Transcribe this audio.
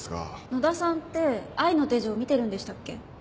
野田さんって『愛の手錠』見てるんでしたっけ？